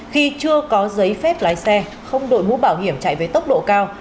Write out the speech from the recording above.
khi chưa có giấy phép lái xe không đội mũ bảo hiểm chạy với tốc độ cao